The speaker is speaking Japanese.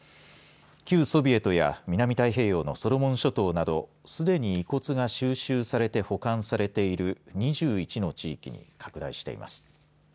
旧ソビエトや南太平洋のソロモン諸島などすでに遺骨が収集されて保管されている２１の地域に拡大しています。